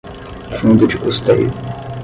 fundo de custeio